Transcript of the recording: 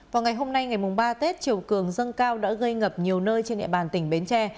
vào ngày hôm nay ngày ba tết chiều cường dâng cao đã gây ngập nhiều nơi trên địa bàn tỉnh bến tre